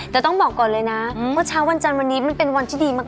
แต่ต้องบอกก่อนเลยนะว่าเช้าวันจันทร์วันนี้มันเป็นวันที่ดีมาก